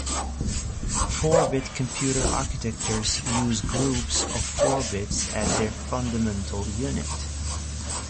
Four-bit computer architectures use groups of four bits as their fundamental unit.